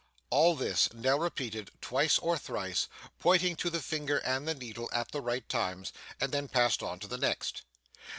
All this, Nell repeated twice or thrice: pointing to the finger and the needle at the right times: and then passed on to the next.